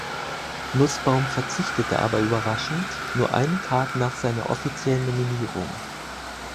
Nußbaum verzichtete aber überraschend nur einen Tag nach seiner offiziellen Nominierung.